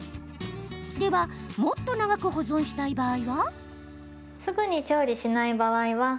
では、もっと長く保存したい場合は？